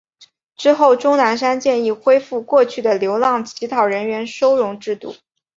之后钟南山建议恢复过去的流浪乞讨人员收容制度。